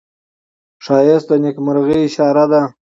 ښایست د نیکمرغۍ اشاره ده